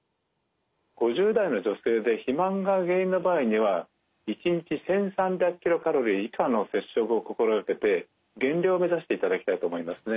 ５０代の女性で肥満が原因の場合には１日１，３００ｋｃａｌ以下の節食を心掛けて減量を目指していただきたいと思いますね。